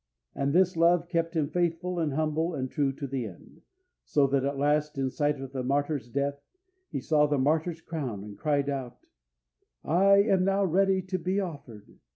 And this love kept him faithful and humble and true to the end, so that at last in sight of the martyr's death, he saw the martyr's crown, and cried out: "I am now ready to be offered